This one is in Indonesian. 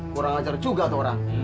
kurang ajar juga tora